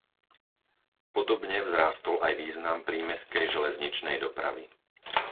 Podobne vzrástol aj význam prímestskej železničnej dopravy.